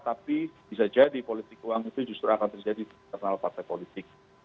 tapi bisa jadi politik uang itu justru akan terjadi di internal partai politik